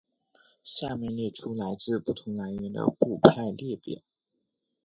下面列出来自不同来源的部派列表。